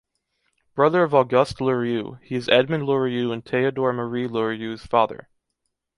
Brother of Auguste Lorieux, he is Edmond Lorieux and Théodore-Marie Lorieux’s father.